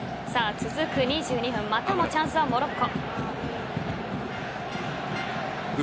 続く２２分またもチャンスはモロッコ。